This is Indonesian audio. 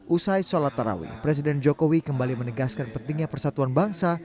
usai sholat tarawih presiden jokowi kembali menegaskan pentingnya persatuan bangsa